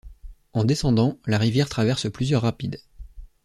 En descendant, la rivière traverse plusieurs rapides.